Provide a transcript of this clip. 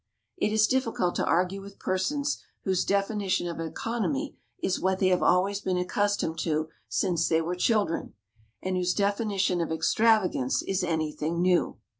It is difficult to argue with persons whose definition of economy is what they have always been accustomed to since they were children, and whose definition of extravagance is anything new.